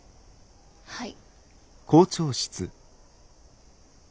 はい。